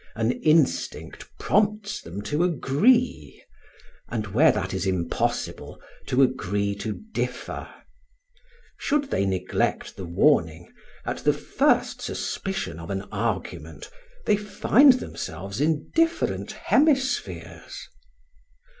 An instinct prompts them to agree; and where that is impossible, to agree to differ. Should they neglect the warning, at the first suspicion of an argument, they find themselves in different hemispheres.